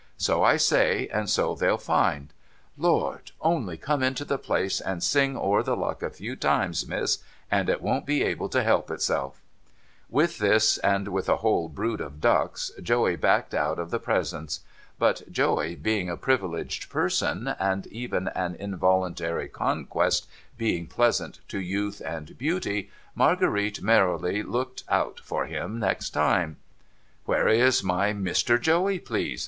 So I say, and so they'll find. Lord ! Only come into the place and sing over the luck a few times, Miss, and it won't be able to help itself !' With this, and with a whole brood of ducks, Joey backed out of the presence. But Joey being a privileged person, and even an involuntary conquest being pleasant to youth and beauty, ALarguerite merrily looked out for him next time. ' Where is my Mr. Joey, please